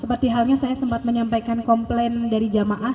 seperti halnya saya sempat menyampaikan komplain dari jamaah